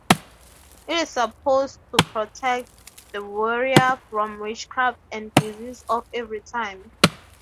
It is supposed to protect the wearer from witchcraft and disease of every time.